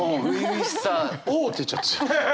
「おう！」って言っちゃってる。